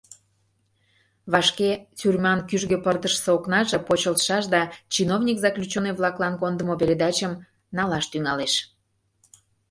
Вашке тюрьман кӱжгӧ пырдыжысе окнаже почылтшаш, да чиновник заключённый-влаклан кондымо передачым налаш тӱҥалеш.